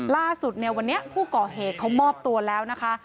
ล่าสุดเนี่ยวันนี้ผู้ก่อเหตุเขามอบตัวแล้วนะคะ